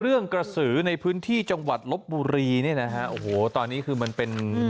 กระสือในพื้นที่จังหวัดลบบุรีเนี่ยนะฮะโอ้โหตอนนี้คือมันเป็น